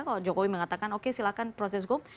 kalau jokowi mengatakan oke silahkan proses hukum